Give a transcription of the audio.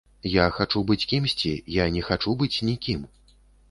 Я хачу быць кімсьці, я не хачу быць нікім.